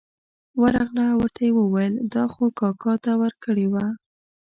ورغله او ورته یې وویل دا خو کاکا ته ورکړې وه.